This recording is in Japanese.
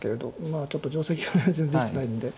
まあちょっと定跡がね全然できてないんで。